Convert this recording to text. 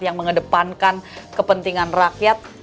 yang mengedepankan kepentingan rakyat